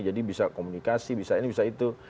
jadi bisa komunikasi bisa ini bisa itu